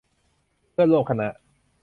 เพื่อนร่วมคณะ